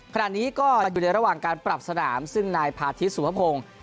ขณะนี้ก็อยู่ในระหว่างการปรับสนามซึ่งนายพาทิศสุภพงศ์